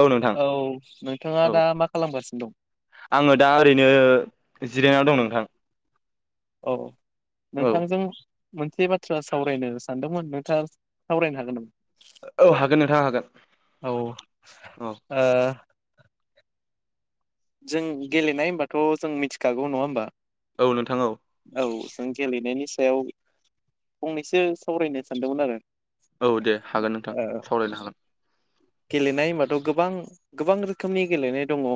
औ नोंथां नोंथाङा औ दा मा खालामगासिनो दं? आंङो दा ओरैनो जिरायनायाव दं नोंथां औ औ नोंथांजों मोनसे बाथ्रा सावरायनो सानदोंमोन नोंथांङा सावरायनो हागोन नामा? औ हागोन नोंथां हागोन औ ओ औ जों गेलेनाय होनबाथ' जों मिथिखागौ नंङा होमबा औ नोंथां औ औ जों गेलेनायनि सायाव फंनैसो सावरायनो सानदोंमोन आरो औ दे हागोन नोंथां ओ सावरायनो हागोन गेलेनाय होनबाथ' गोबां गोबां रोखोमनि गेलेनाय दंङो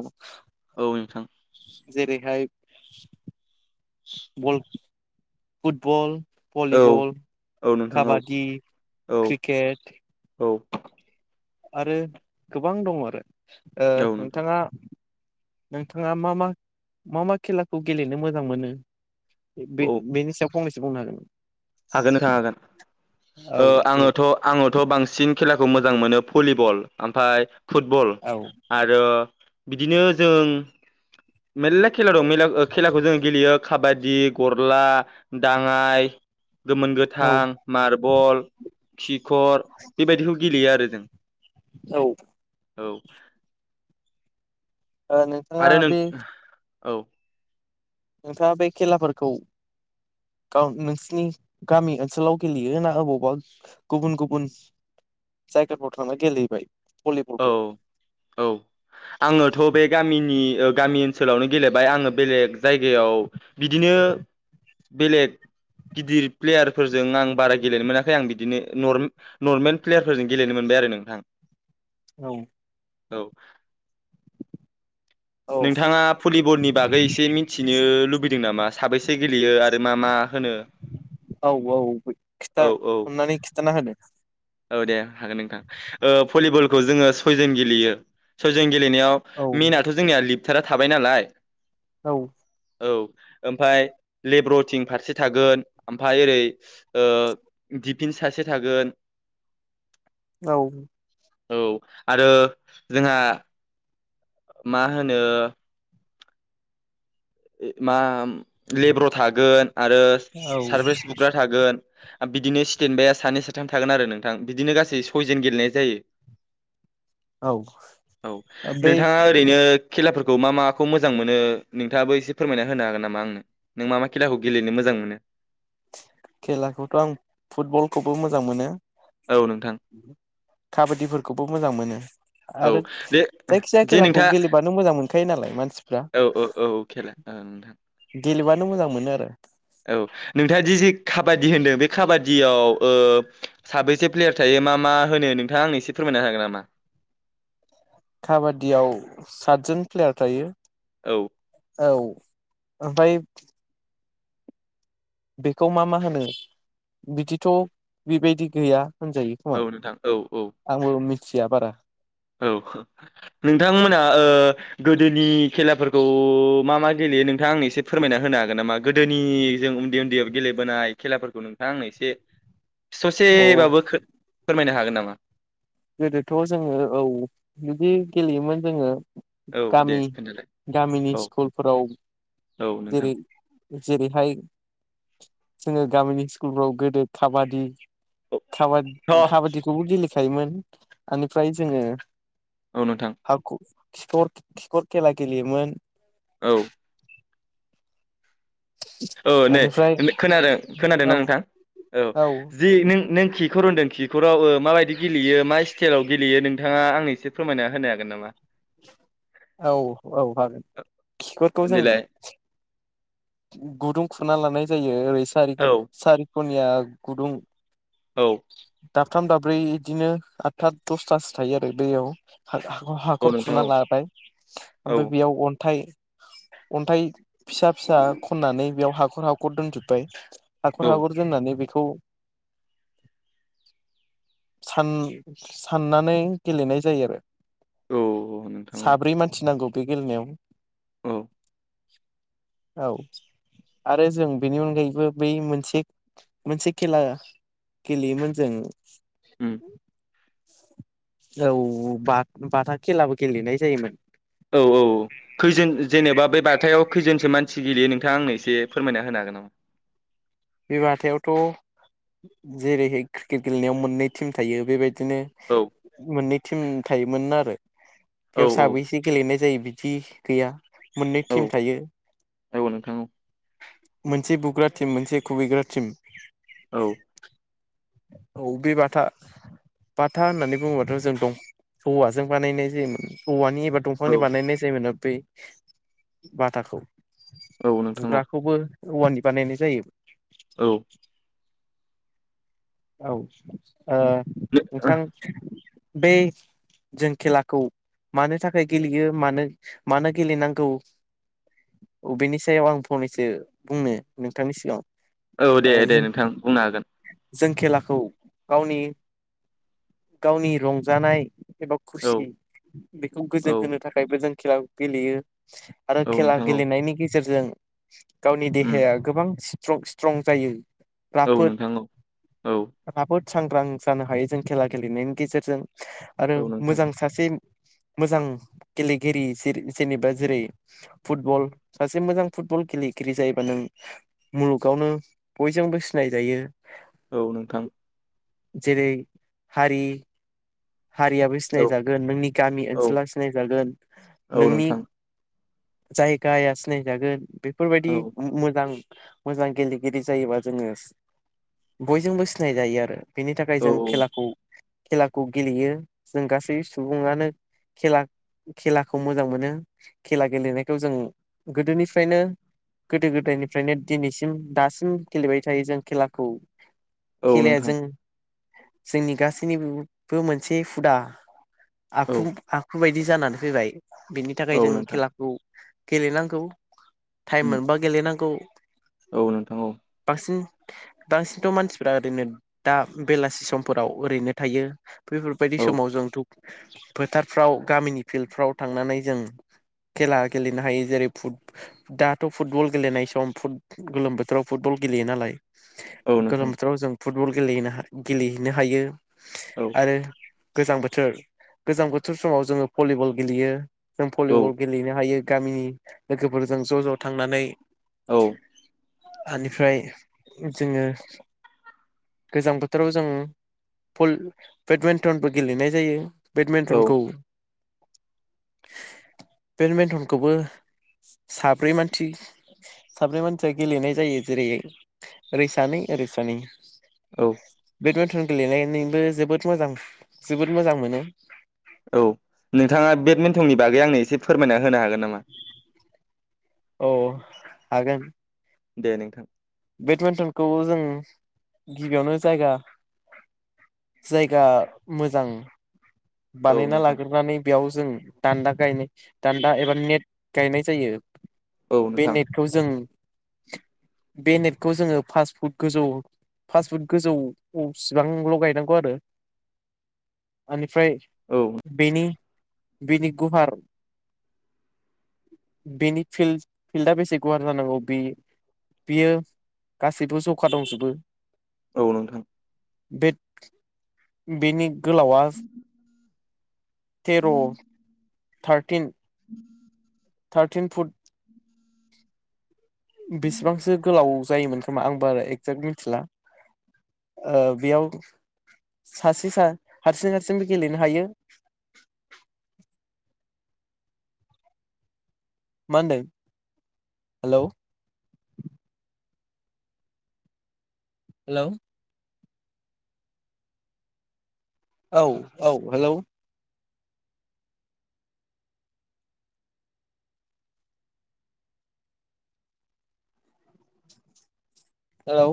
औ नोंथां जेरैहाय बल फुटबल औ भलिबल औ नोंथां औ काबादि औ क्रिकेट औ आरो गोबां दंङो आरो औ नोंथां नोंथांङा नोंथांङा मा- मा - मा - मा खेलाखौ गेलेनो मोजां मोनो बेनि सायाव फंनैसो बुंनो हागोन हागोननो थां हागोन औ दे आंङोथ' बुं आंङोथ' बांसिन खेलाखौ मोजां मोनो भलिबल ओमफफ्राय फुटबल औ आरो बिदिनो जों मेरला खेला दं मेरला खेलाखौ जों गेलेयो काबादि गरला दांङाय गोमोन औ गोथां मार्बल किक खकर बेबायदिखौ गेलेयो आरो जों औ औ नोंथांङा आरो नों बे औ नोंथांङा बे खेलाफोरखौ नोंसिनि गामि ओनसोलाव गेलेयो ना अबावबा गुबुन गुबुन साइकेल फथारा गेले बाय औ - औ आंयोथ' बे गामिनि गामि ओनसोलावनो गेलेबाय आंङो बेलेग जायगायाव बिदिनो बेलेग गिदिर प्लेयारफोरजों आं बारा गेलेनो मोनाखै आं बिदिनो नर्मेल प्लेयारफोरजों गेलेनो मोनबाय आरो नोंथां औ औ औ नोंथांङा भलिबलनि बागै एसे मिथिनो लुबैदों नामा साबैसे गेलेयो आरो मा मा मा होनो औ औ खिथा औ औ अननानै खिन्थाना होदो औ दे हागोन नोंथां ओ भलिबलखौ जोंङो सयजन गेलेयो सयज गेलेनायाव औ मेन लिबथारा थाबाय नालाय औ औ ओमफाय लेब्र'टिं फारसे थागोन ओमफाय ओरै दिफिन सासे थागोन औ औ आरो जोंहा मा होनो मा लेब्र' थागोन आरो औ सारभिस बुग्रा थागोन बिदिनो स्टेेनड बाया सानै साथाम थागोन आरो नोंथां बिदिनो गासै सयजन गेलेनाय जायो औ औ बे नोंथाङा ओरैनो खेलाफोरखौ मा माखौ मोजां मोनो नोंथाङाबो एसे फोरमायना होनो हागोन नामा आंनो नों मा मा खेलाखौ गेलेनो मोजां मोनो खेलाखौथ' आं फुटबलखौबो मोजां मोनो औ नोंथां काबादिफोरखौबो मोजां मोनो औ आरो दे जायखि जाया जे खेलाखौ नोंथाङा गेलेबानो मोजां मोनखायो नालाय मानसिफ्रा ओं नोंथां गेलेबानो मोजां मोनो आरो औ नोंथाङा दि जि काबादि होनदों बे खाबादियाव ओ साबैसे प्लेयार थायो मा मा होनो नोंथाङा आं एसे फोरमायना हागोन नामा काबादियाव सातजन प्लेयार थायो औ औ ओमफाय बेखौ मा मा होनो बिदिथ' बेबायदि गैया होनजायो खोमा औ नोंथां औ औ आंबो मिथिया बारा औ नोंथांमोना ओ गोदोनि खेलाफोरखौ मा मा गेलेयो नोंथां आं एसे फोरमायना होनो हागोन नामा गोदोनि जों उन्दै उन्दैयाव गेलेबोनाय खेलाफोरखौ नों थाङा आंनो एसे औ ससेब्लाबो फोरमायनो हागोन नामा गोदोथ' जोङो औ बिदि गेलेयोमोन जोङो औ दे गामि खोन्थालाय गामिनि औ स्कुलफोराव औ नोंथां जेरै जेरैहाय जोङो गामिनि स्कुलफ्राव गोदो खाबादि खाबाद काबादिखौबो गेलेखायोमोन बेनिफ्राय जोङो औ नोंथां हाख खिखर खिखर खेला गेलेयोमोन औ औ नै बेनिफ्राय खोनादों खोनादोंना औ नोंथां औ जि नों नों खि खिखर होनदों खिखराव ओं माबायदि गेलेयो मा स्टाइलाव गेलेयो नोंथाङा आं एसे फोरमायना होनो हागोन नामा औ औ हागोन खिखरखौ जों देलाय गुदुं खुरना लानाय जायो ओरै सारि औ सारिकनिया गुदुं औ दाबथाम दाब्रै बिदिनो आठथा दसथासो थायो आरो बैयाव हा हाख औ हाखर नोंथां खुरना औ लाबाय औ ओमफ्राय बेयाव अन्थाइ अन्थाइ फिसा फिसा खननानै बेयाव हाखर हाखर दोनजोब्बाय औ हाखर हाखर दोननानै बेखौ सान साननानै गेलेनाय जायो आरो औ नोंथां औ साब्रै मानसि नांगौ बे गेलेनायाव औ औ आरो जों बेनि अनगायैबो बै मोनसे मोनसे खेला गेलेयोमोन जों उम औ बा बाथा खेलाबो गेलेनाय जायोमोन औ औ खैजोन जेनेबा बे बाथायाव खैजोनसो मानसि गेलेयो नों नोंथां आंनो एसे फोरमायना होनो हागोन नामा बे बाथायावथ' जेरैहाय क्रिकेट गेलेनायाव मोननै टिम थायो बेबायदि औ बिदिनो मोननै टिम थायोमोन आरो औ बेयाव औ साबै एसे गेलेनाय जायो बिदि गैया मोननै औ टिम थायो औ नोंथां मोनसे बुग्रा टिम मोनसे खुबैग्रा टिम औ औ बे बाथा बाथा होननानै बुङोबाथ' जों दं औवाजों बानायनाय जायोमोन औवानि एबा औ दंफांनि बानायनाय जायमोन बे बाथाखौ औ नोंथां औ बुग्राखौबो औवानि बानायनाय जायो औ औ ओ उम नोंथां बै जों खेलाखौ मानो थाखाय गेलेयो मानो मानो गेलेनांगौ अ बेनि सायाव आं फनैसो बुंनो नोंथांनि सिगाङाव औ दे दे जों नोंथां बुंनो हागोन जों खेलाखौ गावनि गावनि रंजानाय एबा औ खुसि बेखौ औ गोजोन होनो थाखायबो जों खेला गेलेयो आरो औ खेला नोंथां औ गेलेनायनि गेजेरजों गावनि उम देहाया गोबां स्ट्रं जायो औ नोंथां औ बोहुद सांग्रां जानो हायो जों खेला गेलेनायनि गेजेरजों आरो औ नोंथां मोजां सासे मोजां गेलेगिरि जे जेनेबा जेरै फुटबल सासे मोजां फुटबल गेले गिरि जायोबा नों मुलुगावनो बयजोंबो सिनायजायो औ नोंथां जेरै हारि हारियाबो औ सिनायजागोन नोंनि गामि औ ओनसोलााव सिनायजागोन औ नोंनि नोंथां जायगाया सिनायजागोन औ बेफोरबायदि मोजां मोजां गेलेगिरि जायोबा जोङो बयजोंबो सिनायजायो आरो बेनि थाखाय औ जों खेलाखौ खेलाखौ गेलेयो जों गासै सुबुङानो खेला खेलाखौ मोजां मोनो खेला गेलेनायखौ जों गोदोनिफ्रायनो गोदो गोदायनिफ्रायनो दिनैसिम दासिम गेलेबाय थायो जों खेलाखौ औ खेलाया जों नोंथां जोंनि गासैनिबो मोनसे हुदा आखु औ आखु बायदि जानानै फैबाय बिनि थाखाय औ जों नोंथां खेलाखौ गेलेनांगौ टाइम उम मोनबा गेलेनांगौ औ नोंथां औ बांसिन बांसिनथ' मानसिफ्रा ओरैनो दा बेलासि समफोराव ओरैनो थायो बेफोरबायदि समाव जों थ' फोथारफ्राव गामिनि फिल्डफ्राव थांनानै जों खेला गेलेनो हायो जेरै फुट दाथ' फुटबल गेलेनाय सम गोलोम बोथोराव फुटबल गेलेयो नालाय औ औ नोंथां गोलोम बोथोराव जों फुटबल गेलेनो गेलेहैनो हायो औ आरो गोजां बोथोर गोजां बोथोर समाव जोङो भलिबल गेलेयो जों औ भलिबल गेलेनो हायो गामिनि लोगोफोरजों ज' ज' थांनानै औ बेनिफ्राय जोङो गोजां बोथोराव जों फुल बेडमिन्टनबो गेलेनाय जायो औ बेडमिन्टनखौ बेडमिन्टनखौबो साब्रै मानसि साब्रै मानसिया गेलेनाय जायो जेरै ओैरै सानै ओरै सानै औ बेडमिन्ट टन गेलेनायनिबो जोबोद मोजां जोबोद मोजां मोनो औ नोंथाङा बेडमिन्टननि बागै आंनो एसे फोरमायना होनो हागोन नामा औ हागोन दे नोंथां बेडमिन्टनखौ जों गिबियावनो जायगा जायगा मोजां औ बानायना नोंथां लाग्रोनानै बेयाव जों दान्दा गायनाय दान्दा एबा नेट गायनाय जायो औ बे नोंथां नेटखौ जों बे नेटखौ जोङो फास फुट गोजौ फास्ट फुड गोजौसिबांल' गायनांगौ आरो ओनिफ्राय औ बेनि बिनि गुवार बेनि फिल्ड फिल्डआ बेसे गुवार जानांगौ बे बियो गासैबो जखा दंजोबो औ नोंथां बे बेनि गोलावा तेर' थारटिन थारटिन फुट बेसेबांसो गोलाव जायोमोन खोमा आं बारा एक्जेक्ट मिथिला ओ बेयाव सासे सा हारसिं हारसिंबो गेलेनो हायो मा होनदों हेलौ हेलौ औ औ हेलौ हेलौ